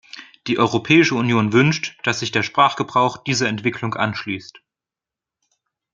Die Europäische Union wünscht, dass sich der Sprachgebrauch dieser Entwicklung anschließt.